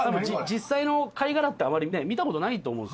実際の貝殻ってあまり見たことないと思う。